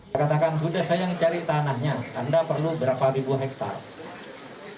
saya katakan sudah saya yang cari tanahnya anda perlu berapa ribu hektare